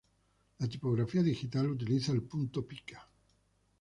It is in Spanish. La tipografía digital utiliza el punto pica.